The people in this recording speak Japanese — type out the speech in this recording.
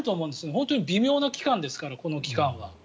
本当に微妙な期間ですからこの期間は。